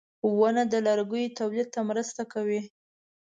• ونه د لرګیو تولید ته مرسته کوي.